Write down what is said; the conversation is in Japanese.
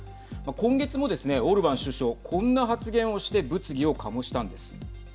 今月もですね、オルバン首相こんな発言をして物議を醸したんです。